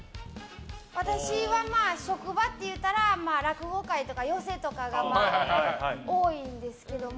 私は職場というたら落語会とか寄席とかが多いんですけども。